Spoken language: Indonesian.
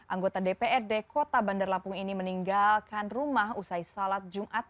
anggota dprd kota bandar lampung ini meninggalkan rumah usai sholat jumat